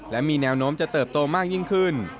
และมีแนวโน้มจะเติบโตมากยิ่งขึ้น